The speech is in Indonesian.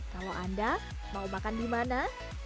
kalau anda mau makan di mana